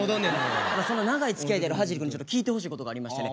そんな長いつきあいであるはじり君に聞いてほしいことがありましてね。